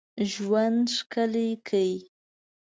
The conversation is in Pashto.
ژوند ښکلی کړی.